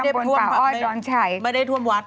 แต่ว่าไม่ได้ท่วมวัด